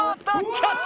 キャッチ。